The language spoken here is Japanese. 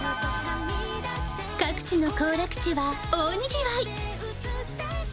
各地の行楽地は大にぎわい。